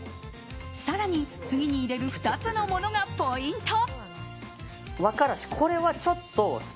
更に次に入れる２つのものがポイント。